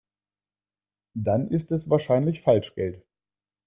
Dann ist es wahrscheinlich Falschgeld.